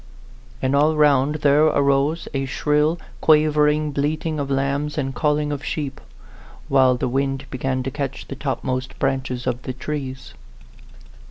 And all round there arose a shrill, quavering bleating of lambs and calling of sheep, while the wind began to catch the topmost branches of the trees.